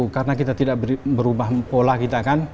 karena kita tidak berubah pola kita kan